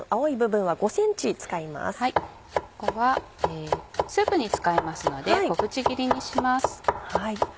ここはスープに使いますので小口切りにします。